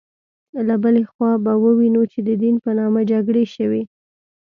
له بلې خوا به ووینو چې د دین په نامه جګړې شوې.